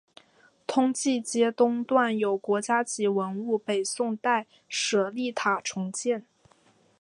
通济街东段有国家级文物北宋代舍利塔重建。